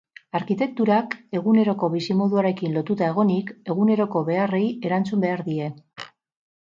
Arkitekturak, eguneroko bizimoduarekin lotuta egonik, eguneroko beharrei erantzun behar die.